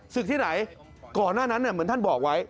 ที่ไหนก่อนหน้านั้นเหมือนท่านบอกไว้